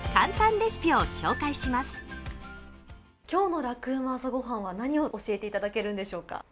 今日の「ラクうま！朝ごはん」は何を教えていただけるんでしょうか。